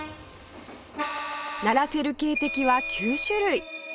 鳴らせる警笛は９種類